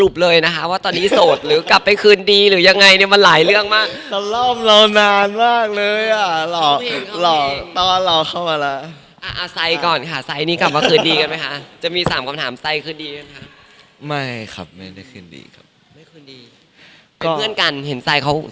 เป็นเพื่อนกันเห็นไซค์เขาที่แจ้งในไอจีอยู่